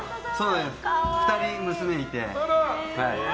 ２人、娘がいて。